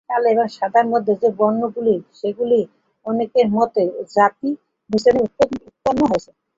কালো এবং সাদার মধ্যে যে বর্ণগুলি, সেগুলি অনেকের মতে, জাতি-মিশ্রণে উৎপন্ন হয়েছে।